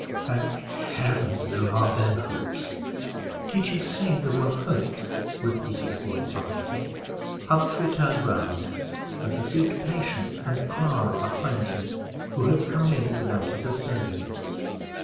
"Thank Heaven! there are then hopes." "Did you say there were hopes?" repeated a voice behind him. Humphrey turned round and perceived Patience and Clara behind him, who had come in without his observing it.